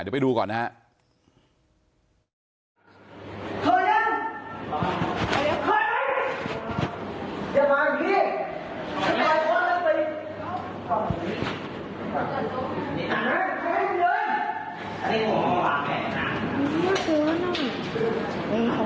เดี๋ยวไปดูก่อนนะฮะ